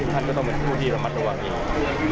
ท่านก็ต้องเป็นผู้ที่สมัครในวังนี้